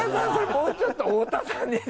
もうちょっと太田さんに。